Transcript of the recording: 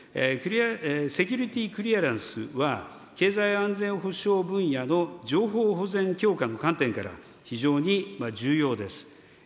セキュリティ・クリアランスは、経済安全保障分野の情報保全強化の観点から、非常に重要です。